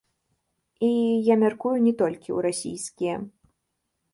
І, я мяркую, не толькі ў расійскія.